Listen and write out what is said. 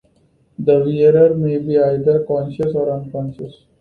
The wearer may be either conscious or unconscious.